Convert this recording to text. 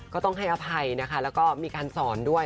ก็ต้องให้อภัยนะคะแล้วก็มีการสอนด้วย